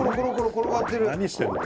何してんの？